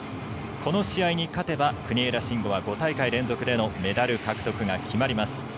この試合に勝てば国枝慎吾は５大会連続でのメダル獲得が決まります。